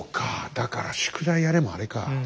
だから「宿題やれ」もあれか。